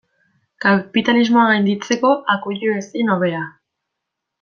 Kapitalismoa gainditzeko akuilu ezin hobea.